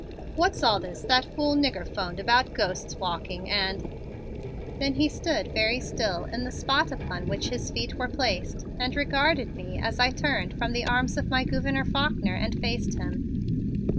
"What's all this that fool nigger phoned about ghosts walking and " Then he stood very still in the spot upon which his feet were placed and regarded me as I turned from the arms of my Gouverneur Faulkner and faced him.